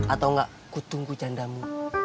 atau enggak ku tunggu jandamu